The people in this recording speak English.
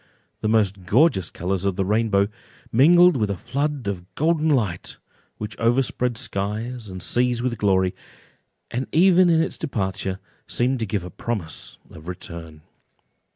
The most gorgeous colours of the rainbow mingled with a flood of golden light, which overspread skies and seas with glory, and even in its departure seemed to give a promise of return.